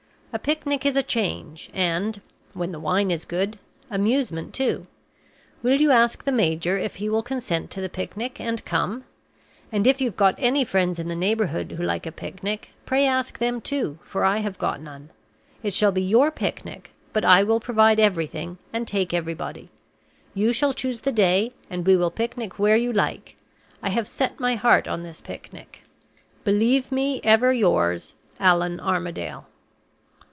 A picnic is a change, and (when the wine is good) amusement, too. Will you ask the major if he will consent to the picnic, and come? And if you have got any friends in the neighborhood who like a picnic, pray ask them too, for I have got none. It shall be your picnic, but I will provide everything and take everybody. You shall choose the day, and we will picnic where you like. I have set my heart on this picnic. "Believe me, ever yours, "ALLAN ARMADALE."